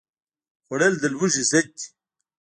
خوړل د لوږې ضد دی